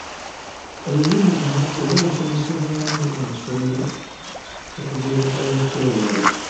Olulimi luno era lusomesebwemu ne mu masomero okuviira ddala mu pulayimale.